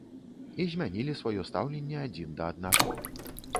І змянілі сваё стаўленне адзін да аднаго.